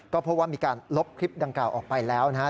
ก็พบว่ามีการลบคลิปดังกล่าวออกไปแล้วนะครับ